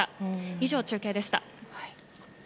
以上、中継でした。